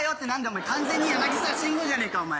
お前完全に柳沢慎吾じゃねえかお前。